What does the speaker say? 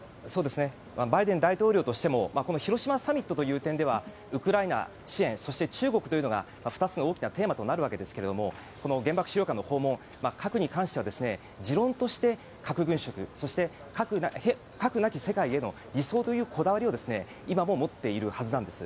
バイデン大統領としても広島サミットという点ではウクライナ支援そして中国というのが２つの大きなテーマとなるわけですが原爆資料館の訪問核に関しては持論として核軍縮そして核なき世界への理想というこだわりを今も持っているはずなんです。